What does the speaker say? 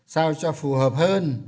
sao cho phù hợp hơn